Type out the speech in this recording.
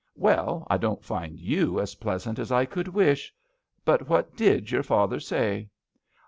"Well, I don't find you as pleasant as I could wish. But what did your father say